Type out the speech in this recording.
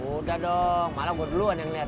udah dong malah gue duluan yang liat